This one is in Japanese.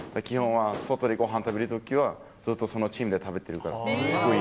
外でご飯食べるときは、ずっとそのチームで食べてるから。